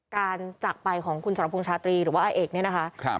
การจักรไปของคุณสตรพงศ์ชาตรีหรือว่าอาเอกส์เนี่ยนะคะ